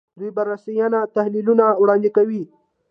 دوی برسېرن تحلیلونه وړاندې کوي